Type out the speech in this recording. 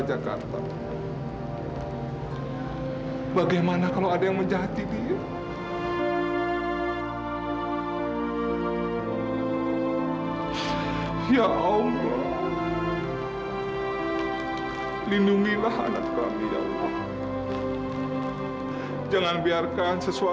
sekarang mereka menunggumi mama juga